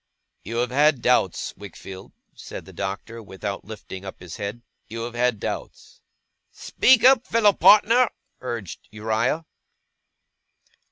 'You have had doubts, Wickfield,' said the Doctor, without lifting up his head. 'You have had doubts.' 'Speak up, fellow partner,' urged Uriah.